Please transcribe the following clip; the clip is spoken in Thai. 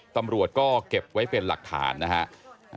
ตำรวจก็เก็บไว้เป็นหลักฐานนะฮะ